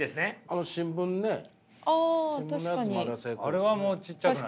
あれはもうちっちゃくないよね。